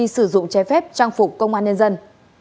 sử dụng trái phép trang phục công an nhân dân